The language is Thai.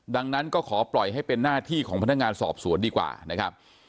ดังนั้นก็ขอปล่อยให้เป็นหน้าที่ของพนักงานสอบสวนดีกว่านะครับ